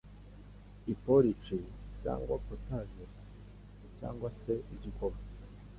iporici cyangwa “potaje” cyangwa se igikoma